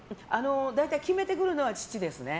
大体決めてくるのは父ですね。